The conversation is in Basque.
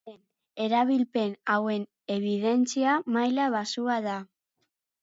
Dena den, erabilpen hauen ebidentzia maila baxua da.